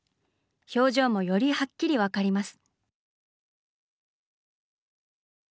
表情もよりはっきり分かります。